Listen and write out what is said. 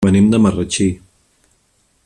Venim de Marratxí.